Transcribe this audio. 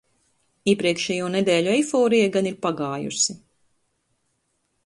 Iepriekšējo nedēļu eiforija gan ir pagājusi.